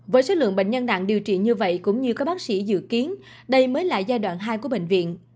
với số lượng bệnh nhân nặng điều trị như vậy cũng như các bác sĩ dự kiến đây mới là giai đoạn hai của bệnh viện